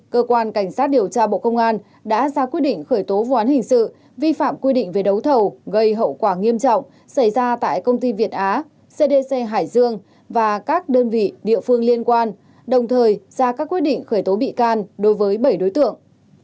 cơ quan cảnh sát điều tra bộ công an đã ra quyết định khởi tố vụ án hình sự vi phạm quy định về đấu thầu gây hậu quả nghiêm trọng xảy ra tại công ty việt á cdc hải dương và các đơn vị địa phương liên quan đồng thời ra các quyết định khởi tố bị can đối với bảy đối tượng